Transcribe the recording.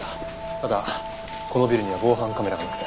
ただこのビルには防犯カメラがなくて。